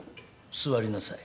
座りなさい。